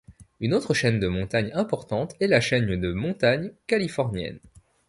Une autre chaîne de montagne importante est la chaîne de montagne californienne.